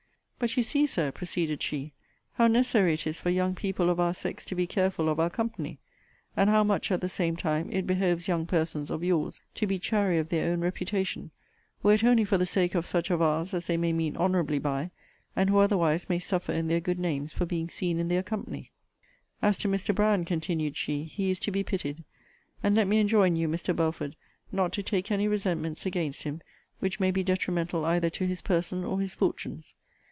But you see, Sir, proceeded she, how necessary it is for young people of our sex to be careful of our company. And how much, at the same time, it behoves young persons of your's to be chary of their own reputation, were it only for the sake of such of our's as they may mean honourably by, and who otherwise may suffer in their good names for being seen in their company. As to Mr. Brand, continued she, he is to be pitied; and let me enjoin you, Mr. Belford, not to take any resentments against him which may be detrimental either to his person or his fortunes.